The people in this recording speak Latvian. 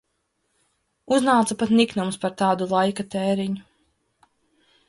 Uznāca pat niknums par tādu laika tēriņu.